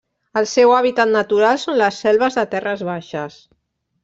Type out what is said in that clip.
El seu hàbitat natural són les selves de terres baixes.